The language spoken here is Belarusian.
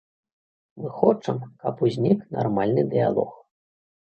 Мы хочам, каб узнік нармальны дыялог.